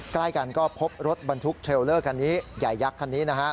ใกล้กันก็พบรถบรรทุกเทรลเลอร์คันนี้ใหญ่ยักษ์คันนี้นะฮะ